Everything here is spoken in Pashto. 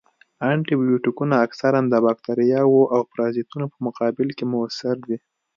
انټي بیوټیکونه اکثراً د باکتریاوو او پرازیتونو په مقابل کې موثر دي.